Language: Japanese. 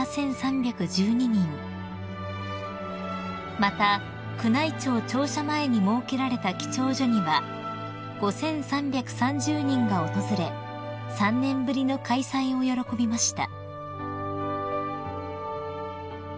［また宮内庁庁舎前に設けられた記帳所には５，３３０人が訪れ３年ぶりの開催を喜びました］